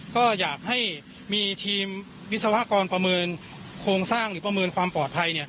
ก็อยากให้มีทีมวิศวกรประเมินโครงสร้างหรือประเมินความปลอดภัย